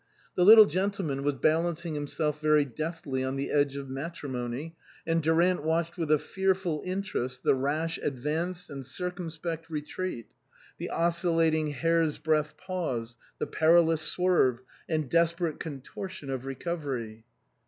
The little gentleman was balancing himself very deftly on the edge of matrimony, and Durant watched with a fearful interest the rash advance and cir cumspect retreat, the oscillating hair's breadth pause, the perilous swerve, and desperate con tortion of recovery.